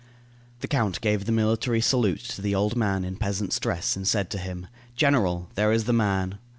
The count gave the military salute to the old man in peasant's dress, and said to him: "General, there is the man."